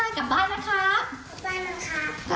กลับบ้านแล้วครับ